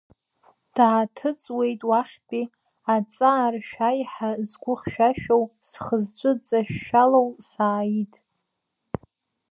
Дааҭыҵуеит уахьтәи, аҵааршә аиҳа згәы хьшәашәоу, зхы-зҿы ҵашәшәалоу Сааид…